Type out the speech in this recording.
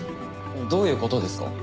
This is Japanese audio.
どういう事ですか？